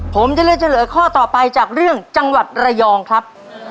ผมจะเลือกเฉลยข้อต่อไปจากเรื่องจังหวัดระยองครับ